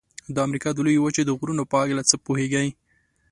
د امریکا د لویې وچې د غرونو په هکله څه پوهیږئ؟